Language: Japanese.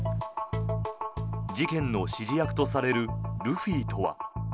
事件の指示役とされるルフィとは？